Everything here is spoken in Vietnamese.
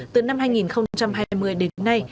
từ năm hai nghìn hai mươi đến nay